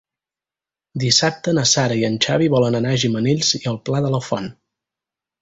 Dissabte na Sara i en Xavi volen anar a Gimenells i el Pla de la Font.